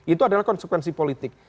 itu adalah konsekuensi politik